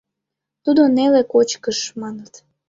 Тудо неле кочкыш, маныт...